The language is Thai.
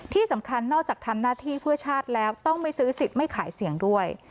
ที่สำคัญนอกจากทำหน้าที่เพื่อชาติแล้วต้องไม่ซื้อสิทธิ์ไม่ขายเสียงด้วย